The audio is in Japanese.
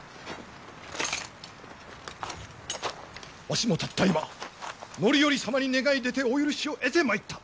わしもたった今範頼様に願い出てお許しを得てまいった。